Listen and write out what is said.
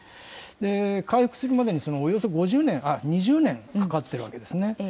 回復するまでにおよそ２０年かかってるわけですね。